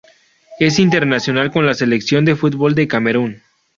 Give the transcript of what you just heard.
Es internacional con la selección de fútbol de Camerún.